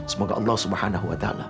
semoga allah swt